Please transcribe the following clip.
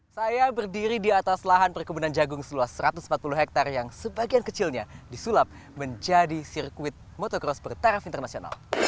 saya berdiri di atas lahan perkebunan jagung seluas satu ratus empat puluh hektare yang sebagian kecilnya disulap menjadi sirkuit motocross bertaraf internasional